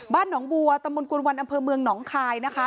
บ้านหนองบัวตำบลกุลวันอำเภอเมืองหนองคายนะคะ